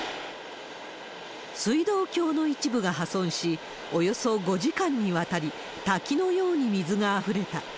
水道橋の一部が破損し、およそ５時間にわたり、滝のように水があふれた。